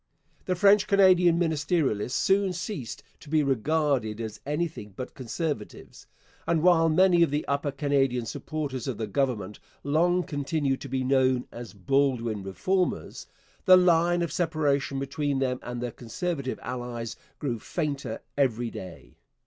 The French Canadian ministerialists soon ceased to be regarded as anything but Conservatives; and while many of the Upper Canadian supporters of the Government long continued to be known as 'Baldwin Reformers,' the line of separation between them and their Conservative allies grew fainter every day.